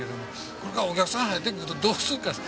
これからお客さんが入ってくるとどうするか。